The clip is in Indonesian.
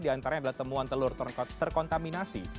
di antaranya adalah temuan telur terkontaminasi